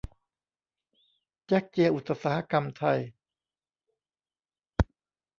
แจ๊กเจียอุตสาหกรรม ไทย